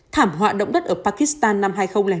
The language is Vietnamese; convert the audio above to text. thảm họa động đất ở pakistan năm hai nghìn năm